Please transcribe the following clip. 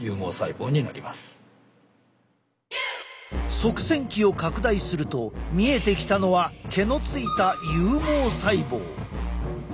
側線器を拡大すると見えてきたのは毛のついた有毛細胞。